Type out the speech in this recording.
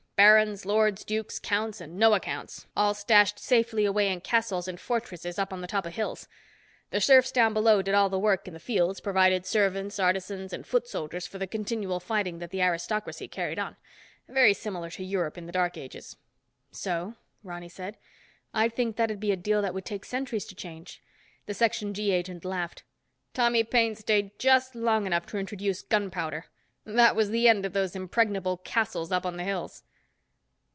Barons, lords, dukes, counts and no accounts, all stashed safely away in castles and fortresses up on the top of hills. The serfs down below did all the work in the fields, provided servants, artisans and foot soldiers for the continual fighting that the aristocracy carried on. Very similar to Europe back in the Dark Ages." "So?" Ronny said. "I'd think that'd be a deal that would take centuries to change." The Section G agent laughed. "Tommy Paine stayed just long enough to introduce gunpowder. That was the end of those impregnable castles up on the hills."